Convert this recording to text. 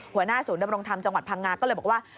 หัวหน้าศูนย์ดำรงธรรมจังหวัดพังงาก็เลยบอกว่า